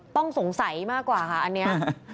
ต้องสงสัยมากกว่าค่ะอันนี้